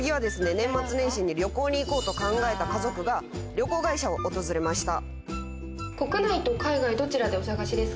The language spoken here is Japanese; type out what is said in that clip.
年末年始に旅行に行こうと考えた家族が旅行会社を訪れました。